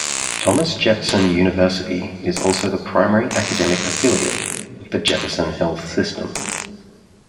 Thomas Jefferson University is also the primary academic affiliate of the Jefferson Health System.